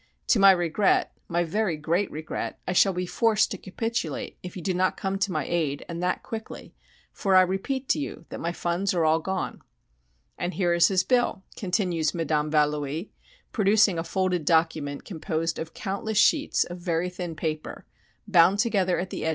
To my regret, my very great regret, I shall be forced to capitulate if you do not come to my aid and that quickly, for I repeat to you that my funds are all gone." "And here is his bill," continues Madame Valoie, producing a folded document composed of countless sheets of very thin paper, bound together at the edges by strips of heavier material.